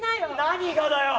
何がだよ！